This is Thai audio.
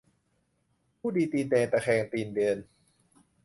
ผู้ดีตีนแดง ตะแคงตีนเดิน